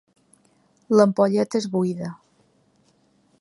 L'ampolleta és buida.